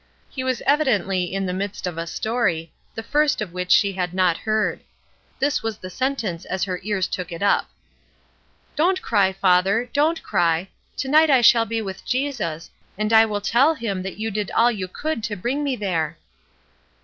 He was evidently in the midst of a story, the first of which she had not heard. This was the sentence, as her ears took it up: "Don't cry, father, don't cry! To night I shall be with Jesus, and I will tell him that you did all you could to bring me there!"